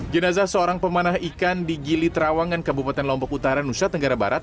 jenazah seorang pemanah ikan di gili terawangan kabupaten lombok utara nusa tenggara barat